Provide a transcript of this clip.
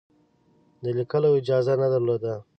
د لیکلو اجازه نه درلوده.